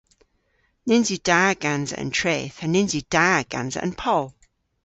Nyns yw da gansa an treth, ha nyns yw da gansa an poll.